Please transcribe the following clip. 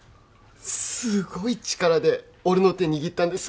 すごい力で俺の手握ったんです